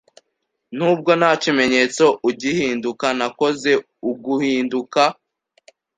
Nubwo nta kimenyetso U-gihinduka, nakoze U-guhinduka.